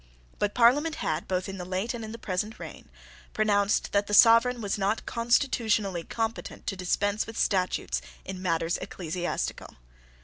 But Parliament had, both in the late and in the present reign, pronounced that the sovereign was not constitutionally competent to dispense with statutes in matters ecclesiastical.